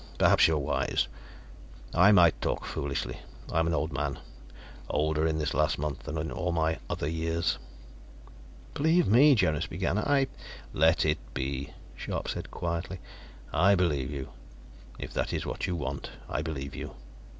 Perhaps you are wise. I might talk foolishly; I am an old man; older, in this last month, than in all my other years." "Believe me," Jonas began. "I " "Let it be," Scharpe said quietly. "I believe you. If that is what you want, I believe you."